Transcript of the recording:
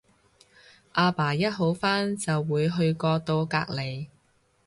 阿爸一好翻就會去嗰到隔離